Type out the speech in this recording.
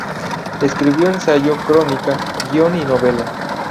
Escribió ensayo, crónica, guion y novela.